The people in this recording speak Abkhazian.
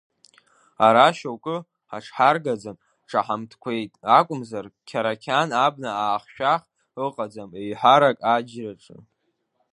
Ара шьоукы ҳаҽҳаргаӡан ҿаҳамҭқәеит акәымзар, Қьарақьан абна аахшәах ыҟаӡам, еиҳарак аџьраҿы…